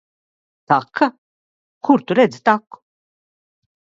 Taka? Kur Tu redzi taku?